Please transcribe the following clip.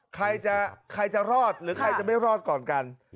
ใครจะใครจะรอดหรือใครจะไม่รอดก่อนกัน